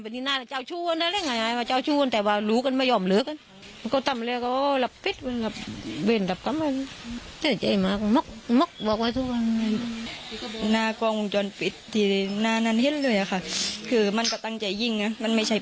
ปืนลั้นกวดค่ะกวดมาก